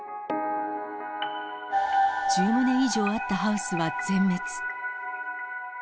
１０棟以上あったハウスは全滅。